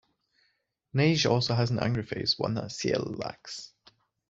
Neige also has an angry face, one that Ciel lacks.